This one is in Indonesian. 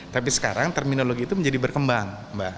tapi sekarang terminologi itu menjadi berkembang